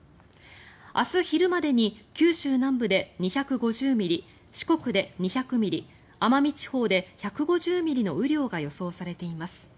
明日昼までに九州南部で２５０ミリ四国で２００ミリ奄美地方で１５０ミリの雨量が予想されています。